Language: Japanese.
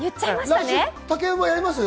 竹馬やります？